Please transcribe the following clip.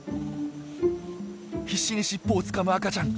必死に尻尾をつかむ赤ちゃん。